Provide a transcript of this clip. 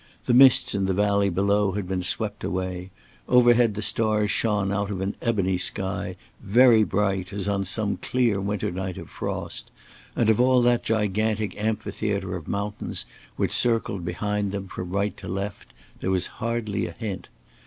The mists in the valley below had been swept away; overhead the stars shone out of an ebony sky very bright as on some clear winter night of frost, and of all that gigantic amphitheater of mountains which circled behind them from right to left there was hardly a hint.